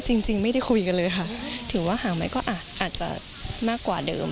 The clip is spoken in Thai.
จริงไม่ได้คุยกันเลยค่ะถือว่าห่างไหมก็อาจจะมากกว่าเดิม